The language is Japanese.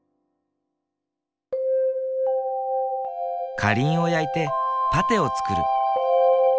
カリンを焼いてパテを作る。